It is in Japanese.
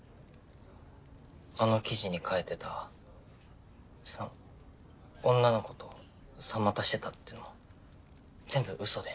あの記事に書いてたその女の子と３股してたっていうのも全部ウソで。